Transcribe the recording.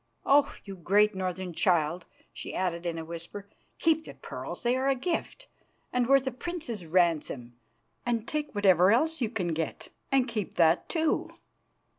Oh! you great northern child," she added in a whisper, "keep the pearls, they are a gift, and worth a prince's ransom; and take whatever else you can get, and keep that too."